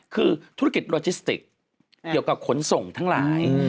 คือธุรกิจโรจิสติกเกี่ยวกับขนส่งทั้งหลาย